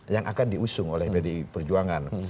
yang akan diusung oleh pdi perjuangan